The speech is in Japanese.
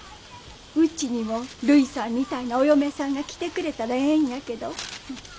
うちにもるいさんみたいなお嫁さんが来てくれたらええんやけど。